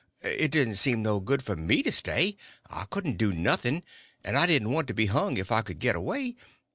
It didn't seem no good for me to stay—I couldn't do nothing, and I didn't want to be hung if I could get away.